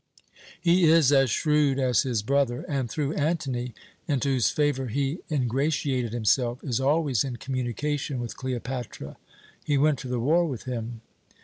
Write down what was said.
He is as shrewd as his brother, and through Antony, into whose favour he ingratiated himself, is always in communication with Cleopatra. He went to the war with him."